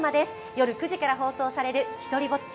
夜９時から放送される「ひとりぼっち」。